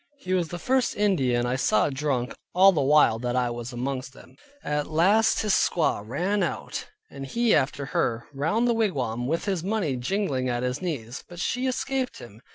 He was the first Indian I saw drunk all the while that I was amongst them. At last his squaw ran out, and he after her, round the wigwam, with his money jingling at his knees. But she escaped him.